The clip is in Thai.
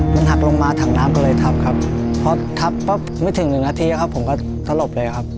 มันหักลงมาถังน้ำก็เลยทับครับพอทับปั๊บไม่ถึงหนึ่งนาทีครับผมก็สลบเลยครับ